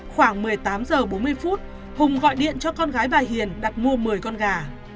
khoảng một mươi tám h bốn mươi phút hùng gọi điện cho con gái bà hiền đặt mua một mươi con gà